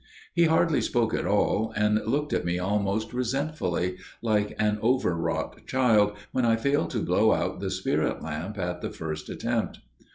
He hardly spoke at all, and looked at me almost resentfully, like an overwrought child, when I failed to blow out the spirit lamp at the first attempt.